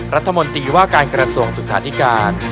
รัฐมนตรีว่าการกระทรวงศึกษาธิการ